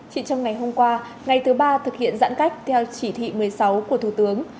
chỉ trong ngày hôm qua ngày thứ ba thực hiện giãn cách theo chỉ thị một mươi sáu của thủ tướng